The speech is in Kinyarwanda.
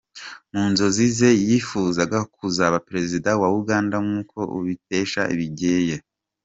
Mu nzozi ze yifuzaga kuzaba Perezida wa Uganda nk’uko tubikesha Bigeye.